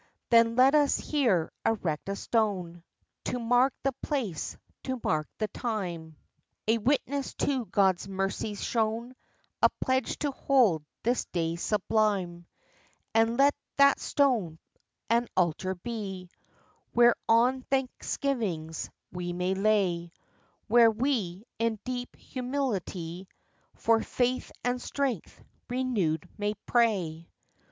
Then let us here erect a stone, To mark the place, to mark the time; A witness to God's mercies shown, A pledge to hold this day sublime. And let that stone an altar be, Whereon thanksgivings we may lay, Where we, in deep humility, For faith and strength renewed may pray.